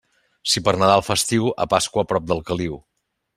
Si per Nadal fa estiu, a Pasqua, prop del caliu.